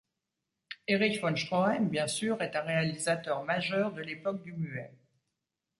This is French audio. Erich von Stroheim bien sûr, est un réalisateur majeur de l’époque du muet.